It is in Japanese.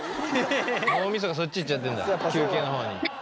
脳みそがそっち行っちゃってんだ休憩の方に。